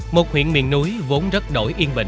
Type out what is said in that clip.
một huyện miền núi vốn rất đổi yên bình